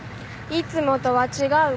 いつもとは違うから。